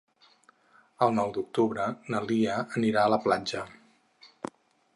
El nou d'octubre na Lia anirà a la platja.